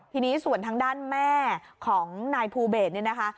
ทีนี้ส่วนทางด้านแม่ของนายภูเบสเนี่ยนะคะ